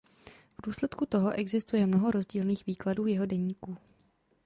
V důsledku toho existuje mnoho rozdílných výkladů jeho deníků.